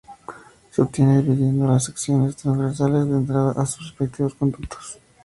Se obtiene dividiendo las secciones transversales de entrada a sus respectivos conductos.